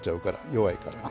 弱いからね。